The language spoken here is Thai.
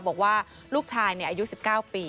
บอกว่าลูกชายอายุ๑๙ปี